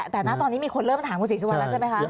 แต่ณตอนนี้มีคนเริ่มถามคุณศรีสุวรรณแล้วใช่ไหมคะ